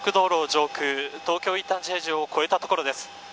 上空東京インターチェンジを越えた所です。